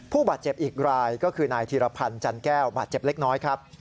ผู้บาดเจ็บอีกรายก็คือนายธีรพันธ์จันแก้วบาดเจ็บเล็กน้อยครับ